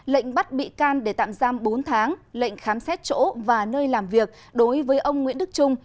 lệnh bắt bị can để tạm giam bốn tháng lệnh khám xét chỗ và nơi làm việc đối với ông nguyễn đức trung